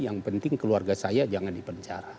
yang penting keluarga saya jangan dipenjara